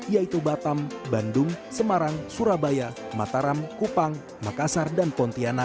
yaitu batam bandung semarang surabaya mataram kupang makassar dan pontianak